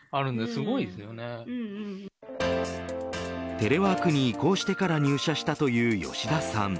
テレワークに移行してから入社したという吉田さん